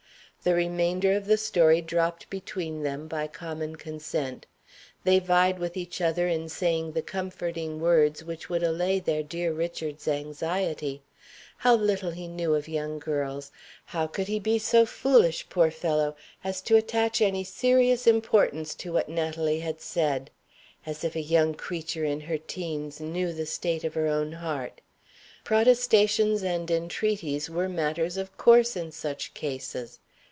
The remainder of the story dropped between them by common consent. They vied with each other in saying the comforting words which would allay their dear Richard's anxiety. How little he knew of young girls. How could he be so foolish, poor fellow! as to attach any serious importance to what Natalie had said? As if a young creature in her teens knew the state of her own heart! Protestations and entreaties were matters of course, in such cases.